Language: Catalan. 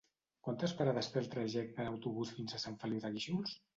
Quantes parades té el trajecte en autobús fins a Sant Feliu de Guíxols?